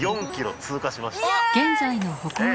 ４ｋｍ通過しましたイエイ！